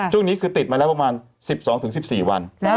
ช่วงนี้ก็ติดมาละประมาณ๑๒๑๔วัน